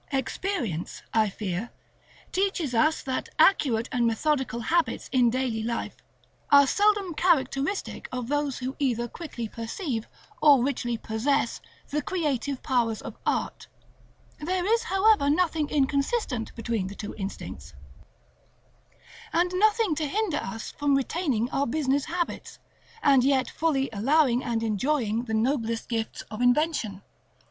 Experience, I fear, teaches us that accurate and methodical habits in daily life are seldom characteristic of those who either quickly perceive, or richly possess, the creative powers of art; there is, however, nothing inconsistent between the two instincts, and nothing to hinder us from retaining our business habits, and yet fully allowing and enjoying the noblest gifts of Invention.